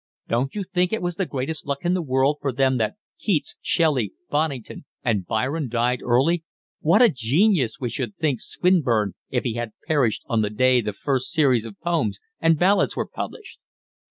Don't you think it was the greatest luck in the world for them that Keats, Shelley, Bonnington, and Byron died early? What a genius we should think Swinburne if he had perished on the day the first series of Poems and Ballads was published!"